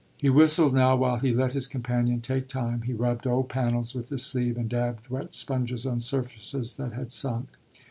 He whistled now while he let his companion take time. He rubbed old panels with his sleeve and dabbed wet sponges on surfaces that had sunk.